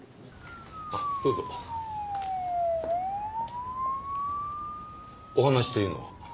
あっどうぞお話というのは？